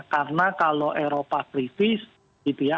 karena kalau eropa krisis gitu ya